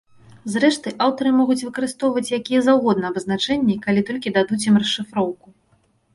Зрэшты, аўтары могуць выкарыстоўваць якія заўгодна абазначэнні, калі толькі дадуць ім расшыфроўку.